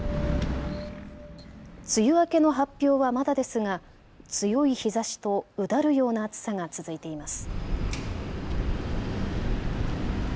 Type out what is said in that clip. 梅雨明けの発表はまだですが強い日ざしとうだるような暑さが続いています。